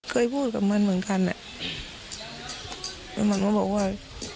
เคยพูดกับมันเหมือนกันอ่ะแล้วมันก็บอกว่า